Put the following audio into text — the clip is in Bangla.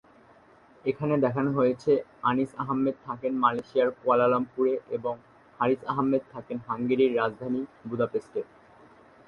এখানে দেখানো হয়েছে আনিস আহমেদ থাকেন মালয়েশিয়ার কুয়ালালামপুরে এবং হারিস আহমেদ থাকেন হাঙ্গেরির রাজধানী বুদাপেস্টে।